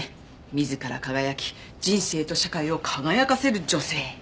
自ら輝き人生と社会を輝かせる女性。